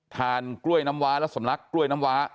กล้วยน้ำว้าและสำลักกล้วยน้ำว้า